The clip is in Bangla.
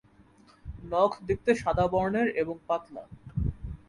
নখ দেখতে সাদা বর্ণের এবং পাতলা।